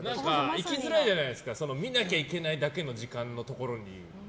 行きづらいじゃないですか見なきゃいけないだけの時間のところに。